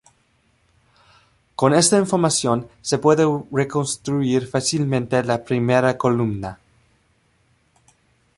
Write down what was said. Con esta información, se puede reconstruir fácilmente la primera columna.